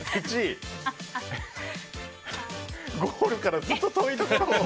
ゴールからずっと遠いところで。